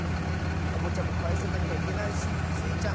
おもちゃもかえさなきゃいけないしスイちゃん